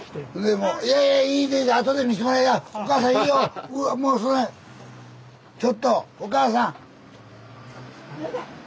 もうそれちょっとおかあさん！